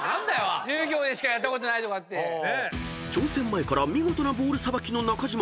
［挑戦前から見事なボールさばきの中島］